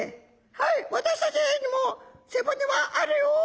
「はい私たちエイにも背骨はあるよ」。